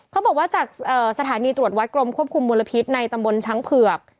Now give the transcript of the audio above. เขาบอกว่าจากสถานีตรวจวัดกรมควบคุมมลพิษในตำบลช้างเผือก